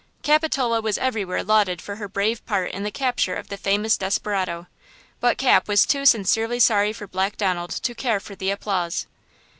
Capitola was everywhere lauded for her brave part in the capture of the famous desperado. But Cap was too sincerely sorry for Black Donald to care for the applause.